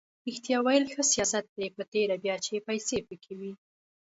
ریښتیا ویل ښه سیاست دی په تېره بیا چې پیسې پکې وي.